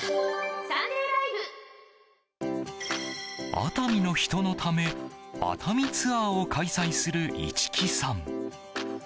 熱海の人のため熱海ツアーを開催する市来さん。